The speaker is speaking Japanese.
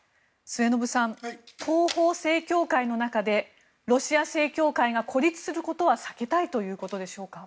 末延さん正教会の中でロシア正教会が孤立することは避けたいということでしょうか。